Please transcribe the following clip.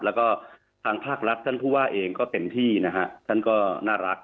แล้วก็ทางภาครัฐท่านผู้ว่าเองก็เต็มที่นะฮะท่านก็น่ารัก